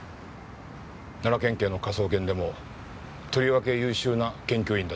奈良県警の科捜研でもとりわけ優秀な研究員だったそうだ。